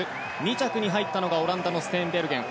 ２着に入ったのがオランダのステーンベルゲン。